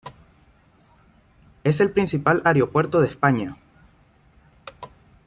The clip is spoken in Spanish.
Es el principal aeropuerto de España.